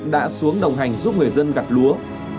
đã xuống đồng hành giúp người dân gặt lúa